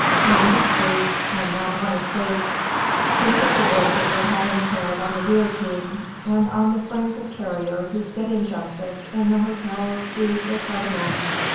Ninety priests, and not one escaped. Think of the work it would have entailed on the guillotine and on the friends of Carrier who sit in justice in the Hôtel du Département!